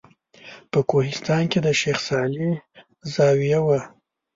په کوهستان کې د شیخ صالح زاویه وه.